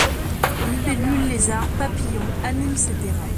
Libellules, lézards, papillons animent ces terrains.